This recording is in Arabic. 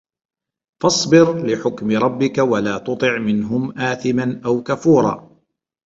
فَاصبِر لِحُكمِ رَبِّكَ وَلا تُطِع مِنهُم آثِمًا أَو كَفورًا